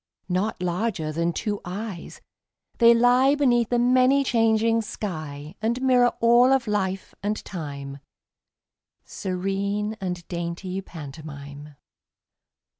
Not larger than two eyes, they lie Beneath the many changing sky And mirror all of life and time, Serene and dainty pantomime.